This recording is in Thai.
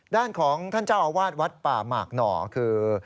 ด้านของท่านเจ้าอาวาสวัดป่าหมากหน่อคือ